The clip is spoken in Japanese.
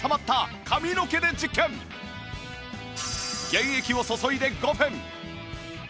原液を注いで５分